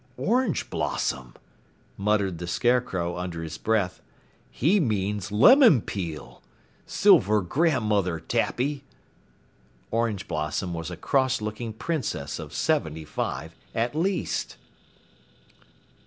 "Orange Blossom!" muttered the Scarecrow under his breath. "He means Lemon Peel! Silver grandmother, Tappy!" Orange Blossom was a cross looking Princess of seventy five, at least.